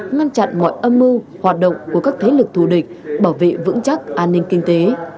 ngăn chặn mọi âm mưu hoạt động của các thế lực thù địch bảo vệ vững chắc an ninh kinh tế